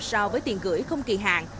so với tiền gửi không kỳ hạn